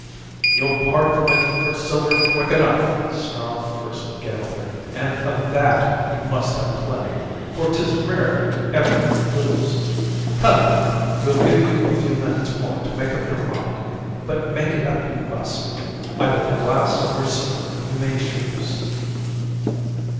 "You'd part from it for silver quick enough!" snarled the first gambler, "and of that you must have plenty, for 'tis rare you ever lose. Come now, we'll give you a few minutes more to make up your mind, but make it up you must. Either the glass or silver, you may choose."